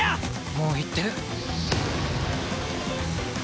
もう行ってる。